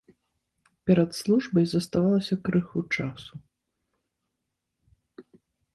Перад службай заставалася крыху часу.